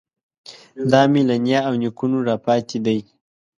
دا مې له نیا او نیکونو راپاتې دی.